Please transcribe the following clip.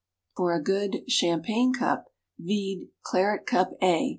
For a good Champagne Cup vide Claret Cup _A.